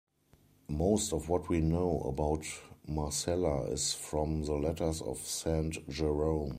Most of what we know about Marcella is from the letters of Saint Jerome.